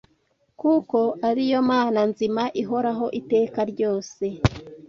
kuko ari yo Mana nzima ihoraho iteka ryose